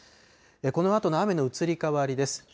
このあとの雨の移り変わりです。